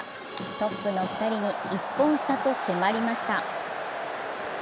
トップの２人に１本差と迫りました。